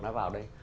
nó vào đây